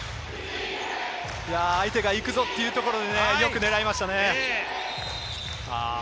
相手が行くぞというところでよく狙いましたね。